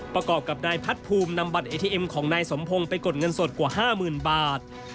ประกอบกับนายพัดภูมินำบัตรเอทีเอ็มของนายสมพงศ์ไปกดเงินสดกว่า๕๐๐๐บาท